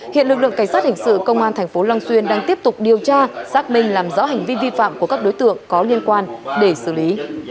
hiện lực lượng cảnh sát hình sự công an tp long xuyên đang tiếp tục điều tra xác minh làm rõ hành vi vi phạm của các đối tượng có liên quan để xử lý